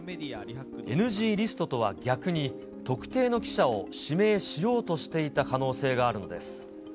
ＮＧリストとは逆に、特定の記者を指名しようとしていた可能性があるのです。